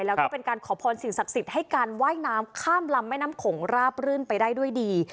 แล้วก็เป็นการขอพรสิ่งศักดิ์สิทธิ์ให้การว่ายน้ำข้ามลำแม่น้ำโขงราบรื่นไปได้ด้วยดี